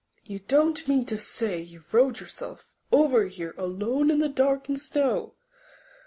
"You don't mean to say you rowed yourself over here alone in the dark and snow!